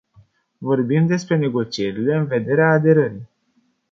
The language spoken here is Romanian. Vorbim despre negocierile în vederea aderării.